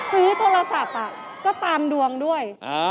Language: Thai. ซื้อโทรศัพท์ก็ตามดวงด้วย